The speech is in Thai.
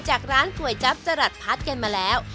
จากร้านก๋วยจั๊บจรัสพัดกันมาแล้ว